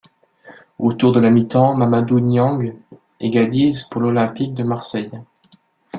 Au retour de la mi-temps, Mamadou Niang égalise pour l'Olympique de Marseille.